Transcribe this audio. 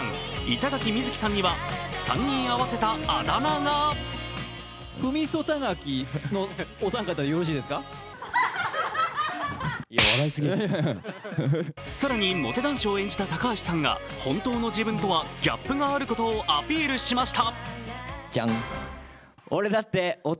板垣瑞生さんには、３人合わせたあだ名が更にモテ男子を演じた高橋さんが本当の自分とはギャップがあることをアピールしました。